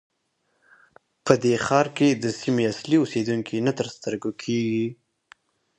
په دې ښار کې د سیمې اصلي اوسېدونکي نه تر سترګو کېږي.